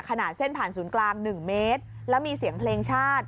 ขนาดเส้นผ่านศูนย์กลาง๑เมตรแล้วมีเสียงเพลงชาติ